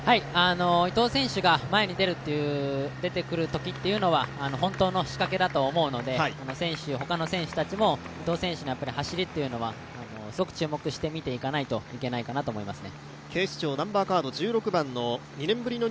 伊藤選手が前に出てくるときっていうのは本当の仕掛けだと思うので他の選手たちも伊藤選手の走りというのはすごく注目して見ていかないといけないかなとお思いますね。